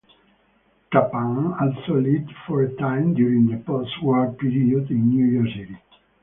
Tappan also lived for a time during the post-War period in New York City.